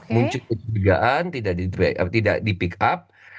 muncul kecurigaan tidak di pick up